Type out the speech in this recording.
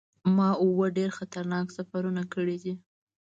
ما اووه ډیر خطرناک سفرونه کړي دي.